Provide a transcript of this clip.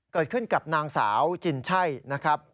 เกิดขึ้นกับนางสาวจินใช่นะครับ